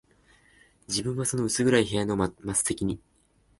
自分はその薄暗い部屋の末席に、